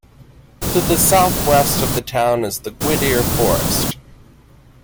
To the south west of the town is the Gwydir Forest.